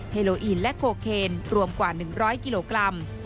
เโลอีนและโคเคนรวมกว่า๑๐๐กิโลกรัม